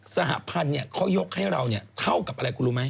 สหรัฐพันธุ์เขายกให้เราเท่ากับอะไรกูรู้มั้ย